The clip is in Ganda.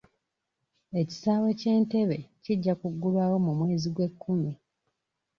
Ekisaawe ky'Entebbe kijja kuggulwawo mu mwezi gw'ekkumi.